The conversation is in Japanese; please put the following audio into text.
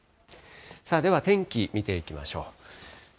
さあ、では天気見ていきましょう。